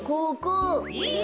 え？